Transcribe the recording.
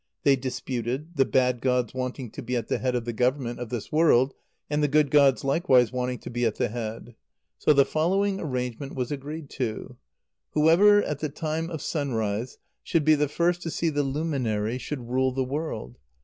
They disputed, the bad gods wanting to be at the head of the government of this world, and the good gods likewise wanting to be at the head. So the following arrangement was agreed to: Whoever, at the time of sunrise, should be the first to see the luminary, should rule the world.